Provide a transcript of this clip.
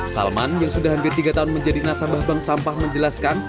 salman yang sudah hampir tiga tahun menjadi nasabah bank sampah menjelaskan